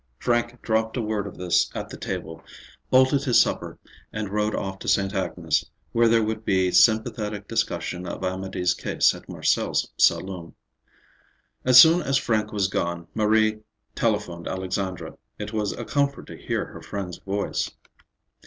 Frank dropped a word of this at the table, bolted his supper, and rode off to Sainte Agnes, where there would be sympathetic discussion of Amédée's case at Marcel's saloon. As soon as Frank was gone, Marie telephoned Alexandra. It was a comfort to hear her friend's voice.